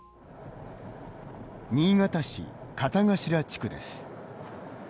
新潟市、潟頭地区です。